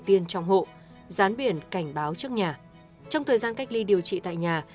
tiên trong hộ rán biển cảnh báo trước nhà trong thời gian cách ly điều trị tại nhà